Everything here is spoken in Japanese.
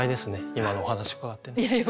今のお話伺ってね。